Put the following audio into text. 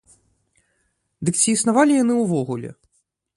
Дык ці існавалі яны ўвогуле?